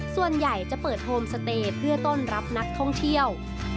ส่วนใหญ่จะเปิดโฮมสเตย์เพื่อต้อนรับนักท่องเที่ยว